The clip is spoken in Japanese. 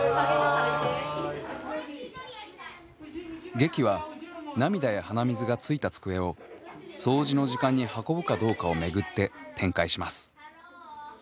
劇は涙や鼻水がついた机を掃除の時間に運ぶかどうかを巡って展開します。